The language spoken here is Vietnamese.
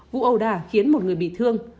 vụ ẩu đà khiến một người bị thương